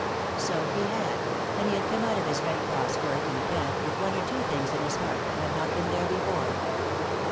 So he had, and he had come out of his Red Cross work in the camp with one or two things in his heart that had not been there before.